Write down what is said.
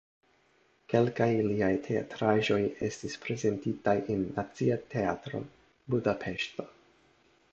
Kelkaj liaj teatraĵoj estis prezentitaj en Nacia Teatro (Budapeŝto).